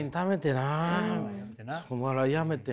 お笑いやめてな。